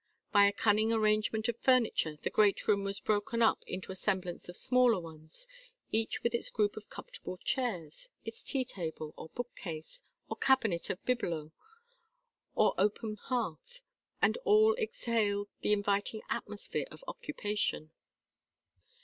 By a cunning arrangement of furniture the great room was broken up into a semblance of smaller ones, each with its group of comfortable chairs, its tea table, or book case, or cabinet of bibelots, or open hearth. And all exhaled the inviting atmosphere of occupation.